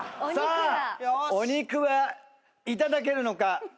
さあお肉は頂けるのか。